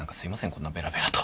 こんなベラベラと。